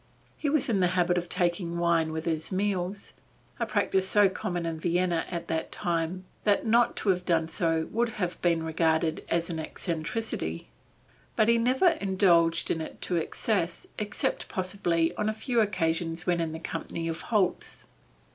He was in the habit of taking wine with his meals, a practice so common in Vienna at that time that not to have done so would have been regarded as an eccentricity, but he never indulged in it to excess, except possibly on a few occasions when in the company of Holz.